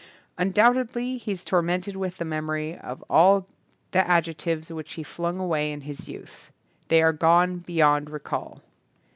Undoubtedly he is tor mented with the memory of all the ad jectives which he flung away in his youth. They are gone beyond recall.